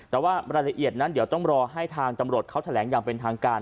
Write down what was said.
แต่ว่ารายละเอียดนั้นเดี๋ยวต้องรอให้ทางตำรวจเขาแถลงอย่างเป็นทางการ